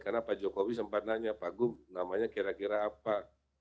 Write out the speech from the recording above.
karena pak jokowi sempat nanya pak gu namanya kira kira apa